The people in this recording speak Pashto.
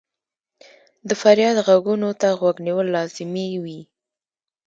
د فریاد ږغونو ته غوږ نیول لازمي وي.